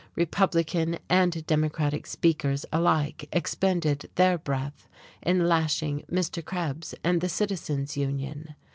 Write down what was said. Republican and Democratic speakers alike expended their breath in lashing Mr. Krebs and the Citizens Union.